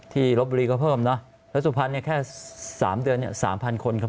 ที่ลบบุรีก็เพิ่มนะแล้วสุพรรณแค่๓เดือน๓๐๐๐คนเข้าไปแล้ว